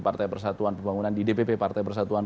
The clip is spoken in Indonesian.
partai persatuan pembangunan di dpp partai persatuan